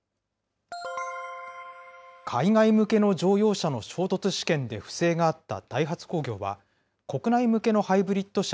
海外向けの乗用車の衝突試験で不正があったダイハツ工業は、国内向けのハイブリッド車